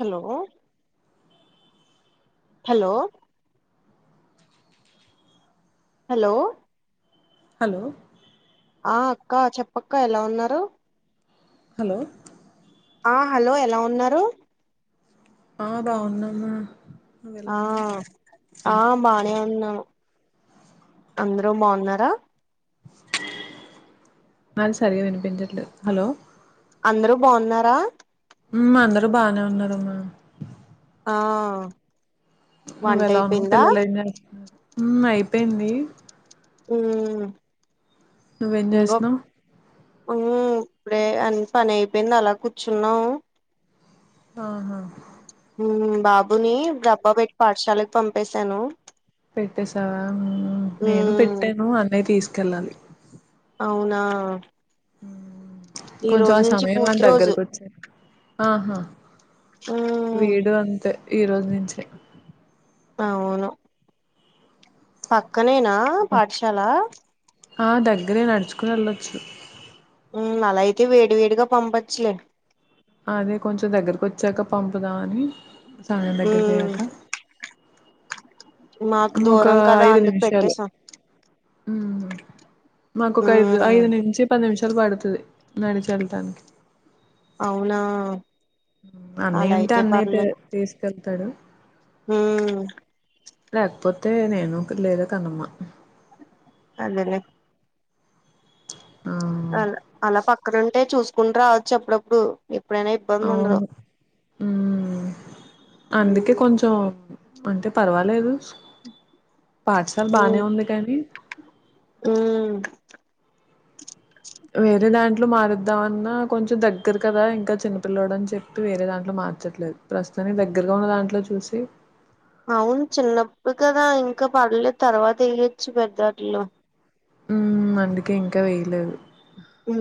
Hello hello hello hello ఆ అక్క చెప్పక్క ఎలా ఉన్నారు హలో ఆ హలో ఎలా ఉన్నారు ఆ బాగున్నాను ఆ ఆ బానే ఉన్నా ఆ సరిగా వినిపించట్లే హలో అందరూ బాగున్నారా అందరూ బానే ఉన్నారమ్మా ఆ వంట నువ్వెలా ఉన్నావు అయిపోయిందా పిల్లలు ఏం చేస్తు ఊ నువ్వేం చేస్తున్నావ్ ఉ ఇప్పుడే అన్ పనయిపోయింది అలా కూర్చున్నాం అహ ఉ బాబుని డబ్బా పెట్టి పాఠశాలకు పంపేశాను పెట్టేసావా నేను ఉమ్ పెట్టాను అన్నయ తీసుకెళ్ళాలి అవునా ఈ కొంచెం ఆ రోజు నుంచి సమయం అని పూర్తి రోజు దగ్గరకు వచ్చా ఆహా ఉమ్ వీడు అంతే ఈ రోజు నుంచే అవును పక్కనేనా పాఠశాల ఆ దగ్గరే నడుచుకుని వెళ్ళొచ్చు అలా అయితే వేడి వేడిగా పంపచ్చు లే అదే కొంచెం దగ్గరకి వచ్చాక పంపుదాం అని సామయం దగ్గరకి ఉమ్ అయ్యాక మాకు ఇంకొక దూరం కదా ఐదు అందుకు నిమిషాలు పెట్టేసాం మాకు ఒక ఐదు ఉమ్ ఐదు నుంచి పది నిమిష్ పడతది నడిచి వెళ్ళటానికి అవునా అలా అన్నయ్య ఉంటే అయితే అన్నయ్య తీసుకెళ్తాడు ఊ అయితే నేను లేదు కన్నమ్మ అదేలే ఆ అలా అలా పక్కనంటే చూసుకుంటూ రావచ్చు అప్పుడప్పుడు ఎప్పుడైనా ఇబ్బంది ఉండదు అవును అందుకే కొంచం అంటే పర్వాలేదు పాఠశాల బానే ఉంది కానీ ఊ వేరేదాం ట్లు మారుద్దాంమన్నా కొంచెం దగ్గర కదా ఇంకా చిన్నపిల్లోడని చెప్పి వేరే దాంట్లో మార్చట్లేదు ప్రస్ కాని దగ్గరగా ఉన్న దాంట్లో చూసి అవును చిన్నప్పుడు కదా ఇంకా పర్లే తర్వాత ఎయ్యొచ్చు పెద్దట్లో ఉ అందుకే ఇంకా వేయలేదు ఉ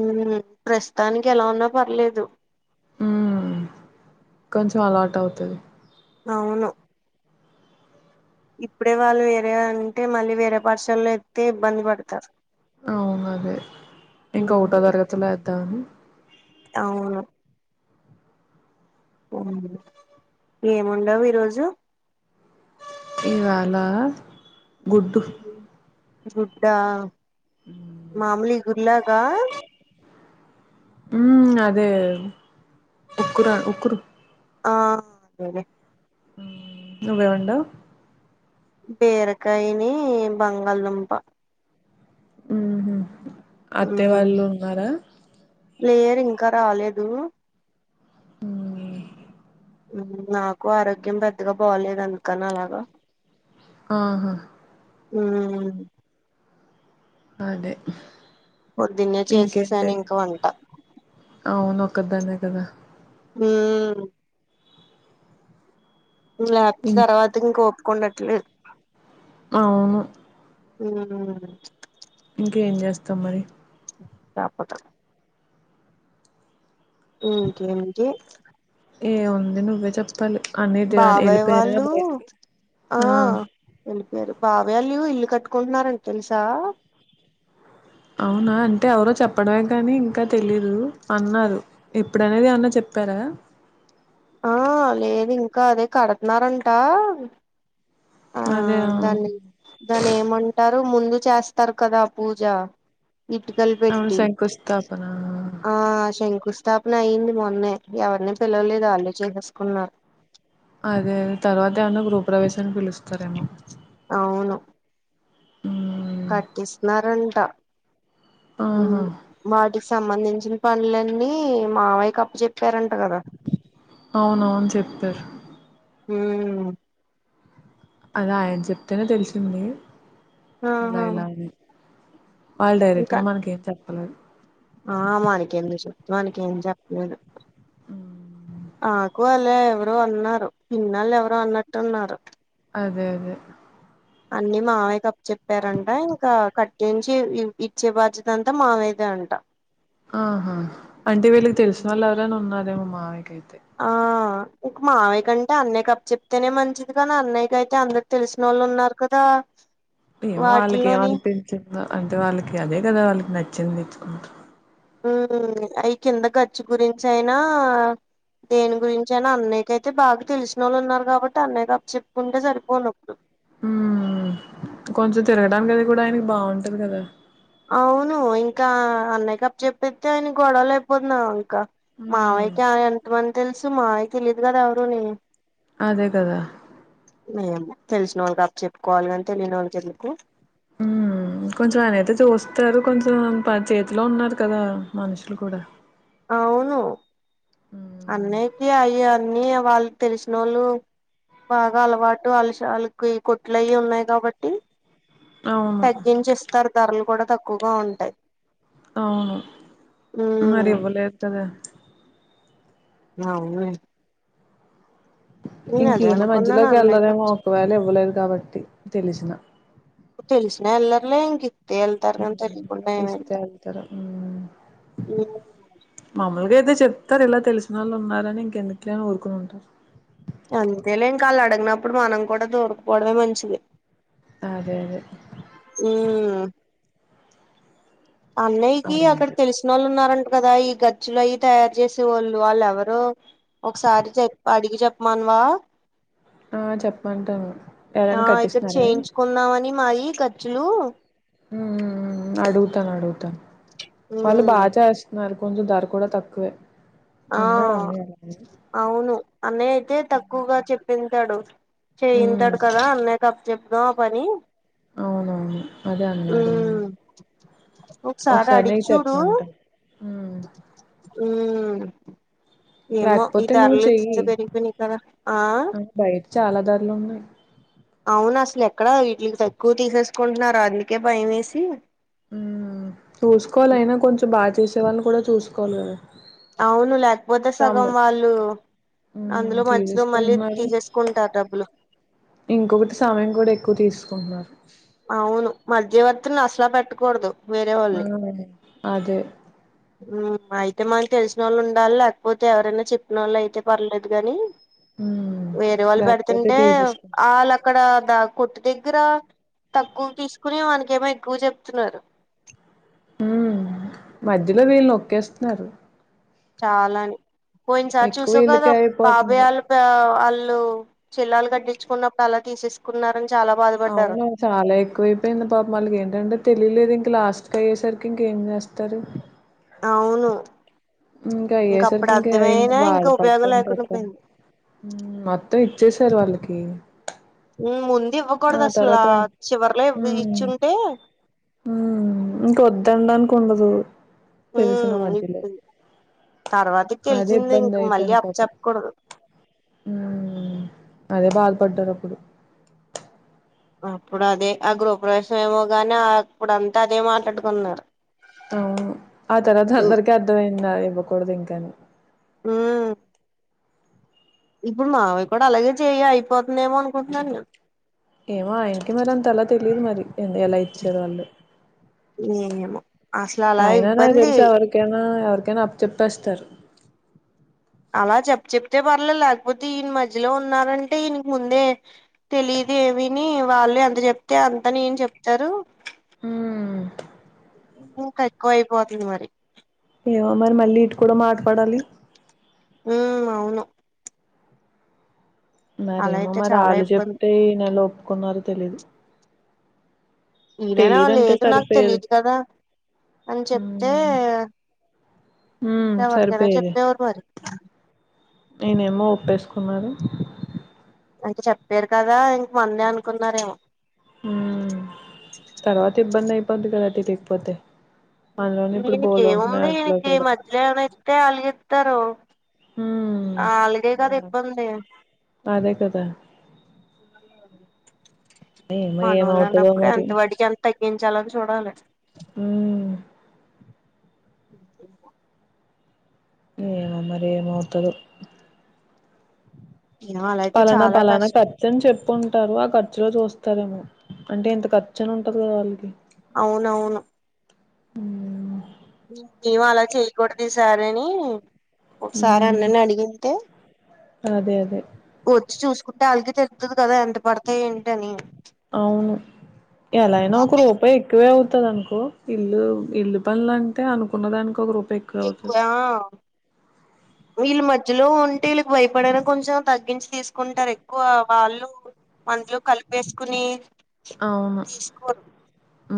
ప్రస్తుతానికి ఎలా ఉన్నా పర్లేదు ఉ కొంచెం అలవాటవుతది అవును ఇప్పుడే వాళ్ళు వేరే అంటే మళ్ళీ వేరే పఠశల్లో ఎత్తే ఇబ్బంది పడతారు అవునదే ఇంకా ఉమ్ ఓకటో తరగతిలో ఏద్దామని అవును ఏమోండావు ఈ రోజు ఇవాళ గుడ్డు గుడ్డా మాములీగుర్లాగా ఉ అదే ఉకుర ఉకురు ఆ అదేదే నువే ఉండు బీరకాయిని బంగాళదుంప ఉహు అత్తయ్య వాళ్ళు ఉన్నారా లేరు ఇంకా రాలేదు ఊ నాకు ఆరోగ్యం పెద్దగా బాలేదు అందుకని అలాగా అహ ఊ అదే పొద్దున్నే ఇంకేంటి చేసేసాను ఇంకా వంట అవును ఒక్కదాన్నే కదా ఊ లేబ్ ఇం తర్వాత ఇంక ఒప్కుండట్లేదు అవును ఊ ఇంకేం చేస్తాం మరి లేకపోతే ఇంకేంటి ఏముంది నువ్వే చెప్పాలి అన్ని ద బాబాయ్ వెళ్ళిపోయారా వాళ్ళు బయటికి ఆ వేరు బాబాయ్ ఆళ్ళు ఇల్లు కట్టుకుంటున్నారంట తెల్సా అవునా అంటే ఎవరో చెప్పడమే గానీ ఇంకా తెలీదు అన్నారు ఎప్పుడనేది అనేది ఎం అన్న చెప్ చెప్పారా ఆ లేదు ఇంకా అదే కడుతున్నారంట ఆ దాన్ని దాన్ని ఏమంటారు ముందు చేస్తారు కదా పూజ ఇట్కలు అవును పెట్టి శంకుస్థాపన ఆ శంకుస్ స్థాపన అయ్యింది మొన్నే ఎవరిని పిలవలేదు వాళ్ళు చేసేసుకున్నారు అదే అదె తర్వాత ఏమన్నా గృహప్రవేశాన్నికి పిలుస్తారేమో అవును మ్మ్ కట్టిస్తున్నారంట ఆహా వాటికి సంబంధిం చిన్ పనులన్నీ మావయ్యకప్ప జెప్ అవునవును చెప్తారు ఊ అదా ఆయన చెప్తేనే తెలిసింది ఇలా ఆహా ఇలా అని వాళ్ళు డైరెక్ట్ ఇంకా గా మనకి ఏం చెప్పలేదు ఆ మనకి ఎందు చెప్తు మనకేం చెప్పలేదు ఆ నాకు అలా ఎవరో అన్నారు పిన్నాళ్ళు ఎవరో అన్నట్టు ఉన్నారు అదే అదే అన్ని మావయ్య కప్ప చెప్పారంట ఇంకా కట్ జేసి ఇచ్చే బాధ్యత అంతా మావయ్యదే అంట ఆహా అంటే వీళ్ళకి తెలిసిన వాళ్ళు ఎవరైనా ఉన్నారే మా మావికైతే ఆ ఇంక మావియ్య కంటే అన్నయ్య కప్ప చెప్తేనే మంచిది కానీ అన్నయ్యకియితే అందరి తెలిసినోళ్ళు ఉన్నారు కదా ఏమో వాళ్ళకి వాటిల్లోని ఏమనిపించిందో అంటే వాళ్ళకి అదే కదా వాళ్ళకి నచ్చింది ఉ అవి కింద ఖర్చు గురించి అయినా దేని గురించి అయినా అన్నయ్యకి అయితే బాగ తెలిసినోళ్ళు ఉన్నారు కాబట్టి అన్నయ్యకి అప్పు చెప్పుకుంటే సరిపోను ఉ కొంచెం తిరగడానికది కూడా ఆయనకి బాగుంటది కదా అవును ఇంకా అన్నయ్య కప్పు చెప్పేతే ఆయన గొడవలు అయిపోతున్నా ఇ హ్మ్ మావయికి ఎంత మంది తెలుసు మావయికి తెలీయదు కదా ఎవరు అని అదే కదా మీ తెలిసినోళ్ళకి అప్పు చెప్పుకోవాలి కాని తెలియనోళ్ళకి ఎందుకు కొంచం ఆయన అయితే చూస్తారు కొంచెం చేతిలో ఉన్నారు కదా మనుషులు కూడా అవును హ్మ్ అన్నయ్యకి అవి అన్నీ వాళ్ళు తెలిసినోళ్ళు బాగా అలవాటు అలుకి కొట్లు అయి ఉన్నాయి కాబట్టి అవును తగ్గించి ఇస్తారు ధరలు కూడా తక్కువగా ఉంటాయ్ అవును మరి ఇవ్వలే కదా అవు ఇంక ఈయన అనుకున్నాను మధ్యలోకి అన్నయ్యకి వెళ్లరేమో ఒకవేళ ఇవ్వలేదు కాబట్టి తెలిసిన తెలిసిన ఎల్లర్లే ఏంగి ఎళ్తారు కానీ కప్పు వెళ్తారు మగైతే చెప్తారు ఇలా తెలిసినోళ్ళు ఉన్నారని ఇంకెందుకులే అని ఊరుకుని ఉంటారు అంతేలే ఇంకా అళ్ళు అడగినప్పుడు మనం కూడా దూరకపోవడమే మంచిది అదే అన్నయ్యకిి అలా అక్కడ ఉంటది తెలిసినొళ్ళు ఉన్నారం కదా ఈ ఖచ్చులు అయి తయారు జేసేవాళ్ళు వాళ్ళ ఎవరు ఒకసారి చె అడిగి చెప్పమనవా ఆ చెప్పంటాను ఆ ఇక్కడ చేయించుకుందామని మాయి ఖర్చులు ఉ ఉ అడుగుతాను అడుగుతాను వాళ్ళు ఉమ్ బాగా చేస్తున్నారు కొంచెం ధర కూడా తక్కువే ఆ అన్నాడు అన్న అలా అవును అన్నయ్య అయితే తక్కువగా చెప్పింటాడు చేయింటాడు ఉమ్ కదా అన్న కప్ప చెప్దాం ఆ పని అవునవును అదే ఉ అన్నాడు ఒకసారి అడిగి నీకు చూడు చెప్పమంటా ఉమ్ ఊ ఏమో ఇది లేకపోతే నువ్వు ధరలి చచ్చ చెయ్యి పెరిగిపోయిని కదా ఆ చాలా ధరలు ఉన్నాయి అవును అసలు ఎక్కడ వీటికి తక్కువ తీసేసుకుంటున్నారు అందుకే భయం వేసి చూసుకోవాలి అయినా కొంచెం బాగా చేసేవాడిని కూడా చూసుకోవాలి కదా అవును లేకపోతే సగం తమ్ము వాళ్ళు అందులో మధ్యలో మళ్ళీ తీసేసుకుంటున్నారు తీసేసుకుంటారు డబ్బులు ఇంకొకటి సమయం కూడా ఎక్కువ తీసుకుంటున్నారు అవును మధ్యవర్తిని అసలా పెట్టకూడదు వేరే వాళ్ళని అదె అయితే మనకి తెలిసిన వాళ్ళు ఉండాలి లేకపోతే ఎవరైనా చెప్పిన వాళ్ళు అయితే పర్లేదు గాని హ్మ్. వేరే వాళ్ళు లేకపోతే పెడుతుంటే తీసేసుకుంటారు ఆళ్ళు అక్కడ దా కొట్టు దగ్గర తక్కువ తీసుకుని వానికేమో ఎక్కువ చెప్తున్నారు ఉ మధ్యలో వీళ్ళునోక్కేస్తున్నారు చాలాని పోయిన సార్ చూసావు కదా వీళ్ళకే అయిపోతుంది బాబాయాళ్ళు వాళ్ లు చిల్లాలు కట్టించుకున్నప్పుడు అలా తీసేసుకున్నర్ అవును చాలా ఎక్కువయిపోయింది పాపం వాళ్ళకి ఏంటంటె తెలియలేదు ఇంక లాస్ట్ కి అయ్యేసరికి ఇంకేం చేస్తారు అవును ఇంకా ఇంక అయ్యే అప్పుడు సరికి ఇంకా ఇంకా అర్థమైనా బాధ ఉపయోగం పడటం లేకుండా పోయింది మొత్తం ఇ ఇచ్చేశారు వాళ్ళకి ముందు ఆ ఇవ్వకూడదు అసలు తర్వాత చివరిలో ఇవ ఇచ్చుంటే ఇంకొద్దంనడానికి ఉండదు తెలిసిన మధ్యలో తర్వాత అదే తెలిసింది ఇబ్బంది ఇంక మళ్ళీ అయిపోయింది అప్ప పాపం చెప్పకూడదు అదే బాధపడ్డారు అప్పుడు అప్పుడు అదే ఆ గృహప్రవేశం ఏమో గాని అప్పుడంతా అదే మాట్లాడుకున్నారు అవు ఆ తర్వాత అందరికీ అర్థమయిందా ఇవ్వకూడదు ఇంకని ఊ ఇప్పుడు మావయ్య కూడా అలాగే చెయి అయిపోతుందేమో అనుకుంటున్నాను నేను ఏమో ఆయనకి మరి అంత అలా తెలియదు మరి ఎందు అలా ఇచ్చారు వాళ్ళు ఏమో అసలు అలా అయినా నాక్ ఇబ్బంది తెల్సి ఎవరికైన కైన అప్ప జెప్పేస్తారు అలా చెప్ చెప్తే పర్లే లేకపోతే ఈయన మధ్యలో ఉన్నారంటే ఈయనకు ముందే తెలిదు విని వాళ్ళు ఎంత చెప్తే అంత నే ఏం చెప్తారు హ్మ్ ఇంకా ఎక్కువ అయిపోతుంది మరి ఏమో మరి మళ్ళీ ఇటు కూడా మాటపడాలి ఉ అవును అలా మరేమో అయితే మరి చాలా ఆళ్ళు ఇబ్బంది చెప్తే ఈ నెల ఒప్పుకున్నారో తెలీదు ఈయననా తెలీదంటే లేదు నాకు సరిపోయేది తెలిదు కదా అని చెప్తే హ్మ్ హ్మ్ ఇంకెవరికైన సరిపోయేది చెప్పేవారు మరి ఈయనేమో ఒప్పేసుకున్నారు అంటె చెప్పారు కదా ఇంక మందే అనుకున్నారేమో ఉ తర్వాత ఇబ్బంది అయిపోద్ంది కదాటి తీకపోతే ఈయనకి ఏముంది ఈయనకి కూడా మధ్యలో ఏమనా ఇస్తే అలగిత్తారు హ్మ్ ఆళ్ళకె కదా యాహ్! ఇబ్బంది అ అదే కదా ఏమో మనోళ ఏమవుతదో అన్నప్పుడే మరి అంతవడికి ఎంత తగ్గించాలిని చూడాలి ఊ ఉ మరి ఏమోతరు ఏమో అలా అయితే పలానా చాలా పలానా కష్టం ఖచ్చచని చెప్ ప్పుంటారు ఆ ఖర్చులో చూస్తారేమో అంటే ఇంత ఖర్చని ఉంటాది కదా వాళ్ళకి అవునవును మ్ ఏం అలా చేయ్యకూడదు ఈసారని ఒకసారి ఉమ్ అందర్నీ అడిగింతే అదే అదే కుంటే అల్కి తెలుత్తుది కదా ఎంత పడతాయ్ ఏంటని అవును ఎలా అయినా ఒక రూపాయి ఎక్కువే అవ్ అనుకో ఇల్లు ఇల్లు పనులంటే అనుకున్న దానికి ఒక రూ ఎక్కువ వీళ్ళు మధ్యలో ఉంటే వీళ్ళకి భయపడనా కొంచెం తగ్గించి తీసుకుంటారు ఎక్కువ వాళ్ళు మందులో కలిపేసుకుని అవును తీసుకోరు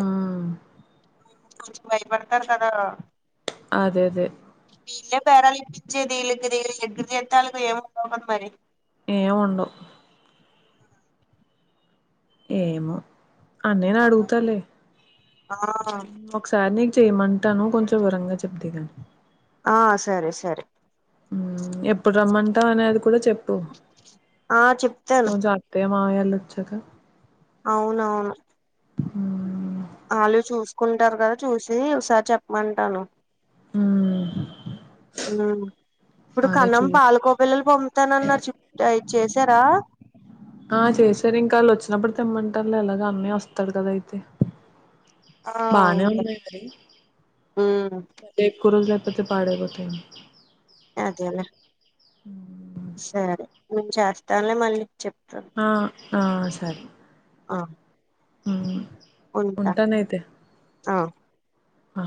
ఉమ్ ర్చ బయపడ్తారు కదా అదేదే బేరాలిప్పిచ్చేదీళ్కి ఈళ్ల దగ్గర చేత్తే ఆళ్ళకు ఏమిండవుకద మరి ఏముండవ్ ఏమొ అన్నయను అడుగుతాలే ఆ ఒకసారి నీకు చేయమంటాను కొంచెం వివ్రంగ చేప్దీ గానీ ఆ సరే సరే మ్ ఎప్పుడు రమ్మంటా అనేది కూడా చెప్పు ఆ చెప్తాను కొంచెం అత్తయ్య మావయ్య లోచ్చాక అవునవును మ్ ఆళ్ళు చూసుకుంటారు గద చూసి ఒకసారి చెప్పమంటాను మ్ మ్ ఇప్పుడు కన్నం పాలకోబిల్లలు పంపుతానన్నారు చిప్ అయి చేశారా ఆ చేశారు ఇంకాళ్ళోచ్చినప్పుడు తెమ్మంటాన్లే ఎలాగ అన్నాయోస్తాడు కదా అయితే ఆ బానే అవునులే ఉన్నాయి మరి ఎక్కువరోజులై పోతే పాడైపోతాయేమో అదేలె మ్ సరే నేన్ చేస్తాన్లే మళ్ళీ చెప్తాను ఆ ఆ సరే అ మ్ ఉంటానయితే అ ఆ